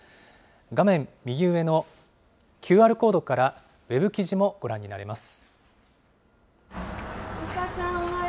画面右上のＱＲコードから、ウェブ記事もご覧になれます。